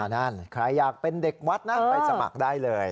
นั่นใครอยากเป็นเด็กวัดนั้นไปสมัครได้เลย